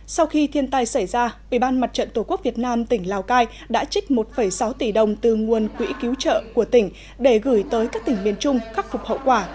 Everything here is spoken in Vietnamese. sau khi thiên tai xảy ra ủy ban mặt trận tổ quốc việt nam tỉnh lào cai đã trích một sáu tỷ đồng từ nguồn quỹ cứu trợ của tỉnh để gửi tới các tỉnh miền trung khắc phục hậu quả